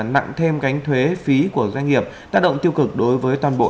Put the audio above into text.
nặng thêm gánh thuế phí của doanh nghiệp tác động tiêu cực đối với toàn bộ